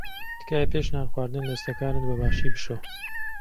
تکایە پێش نان خواردن دەستەکانت بەباشی بشۆ.